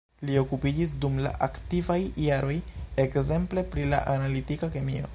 Li okupiĝis dum la aktivaj jaroj ekzemple pri la analitika kemio.